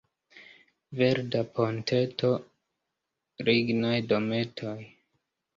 Verda ponteto, lignaj dometoj.